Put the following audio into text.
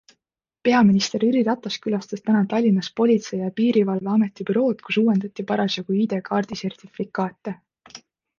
Peaminister Jüri Ratas külastas täna Tallinnas Politsei ja Piirivalveameti bürood, kus uuendati parasjagu ID-kaardi sertifikaate.